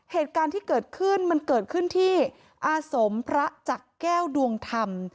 เหตุการณ์ที่เกิดขึ้นมันเกิดขึ้นที่อาสมพระจักรแก้วดวงธรรม